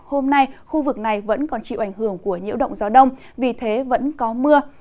hôm nay khu vực này vẫn còn chịu ảnh hưởng của nhiễu động gió đông vì thế vẫn có mưa